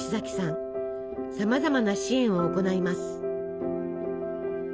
さまざまな支援を行います。